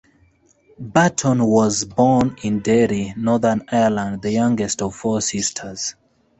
Burton was born in Derry, Northern Ireland, the youngest of four sisters.